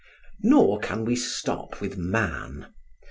Nor can we stop with man.